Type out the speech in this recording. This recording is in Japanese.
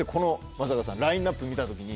松坂さんラインアップ見た時に。